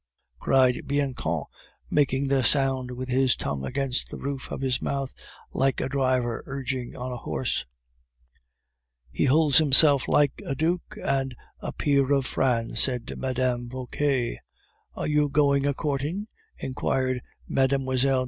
clk! clk!" cried Bianchon, making the sound with his tongue against the roof of his mouth, like a driver urging on a horse. "He holds himself like a duke and a peer of France," said Mme. Vauquer. "Are you going a courting?" inquired Mlle.